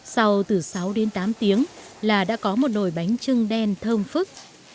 sau từ sáu đến tám tiếng là đã có một nồi bánh trưng đen thơm phức